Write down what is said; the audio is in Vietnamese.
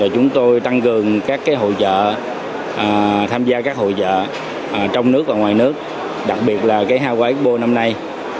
chúng tôi tăng cường các hội trợ tham gia các hội trợ trong nước và ngoài nước đặc biệt là cái hau qua expo năm nay